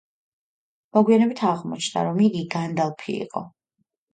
მოგვიანებით აღმოჩნდა, რომ იგი განდალფი იყო.